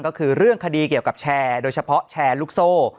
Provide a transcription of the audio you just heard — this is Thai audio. ก็คือเรื่องคดีเกี่ยวกับแชร์โดยเฉพาะแชร์ลูกโซ่